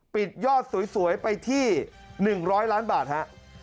ปิดยอดสวยไปที่๑๐๐ล้านบาทฮะ